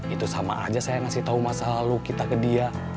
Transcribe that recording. itu sama aja saya ngasih tahu masa lalu kita ke dia